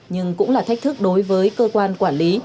nhưng cũng là thách thức đối với cơ quan quản lý